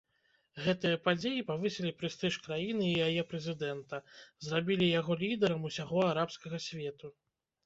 Гэтыя падзеі павысілі прэстыж краіны і яе прэзідэнта, зрабілі яго лідарам усяго арабскага свету.